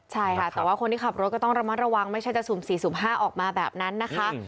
ใช่ค่ะแต่ว่าคนที่ขับรถก็ต้องระมัดระวังไม่ใช่จะสุ่ม๔สุ่ม๕ออกมาแบบนั้นนะคะ